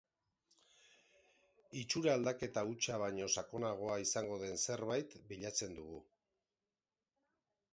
Itxura aldaketa hutsa baino sakonagoa izango den zerbait bilatzen dugu.